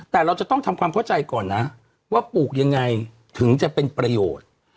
แต่เราจะต้องทำความเข้าใจก่อนนะว่าปลูกยังไงถึงจะเป็นประโยชน์